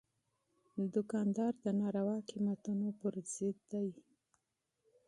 دوکاندار د ناروا قیمتونو پر ضد دی.